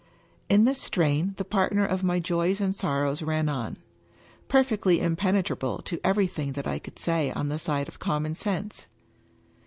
In this strain the partner of my joys and sorrows ran on, perfectly impenetrable to everything that I could say on the side of common sense.